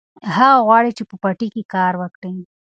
هغه غواړي چې په پټي کې کار وکړي.